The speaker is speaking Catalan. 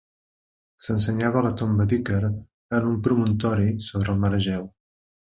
S'ensenyava la tomba d'Ícar en un promontori sobre el mar Egeu.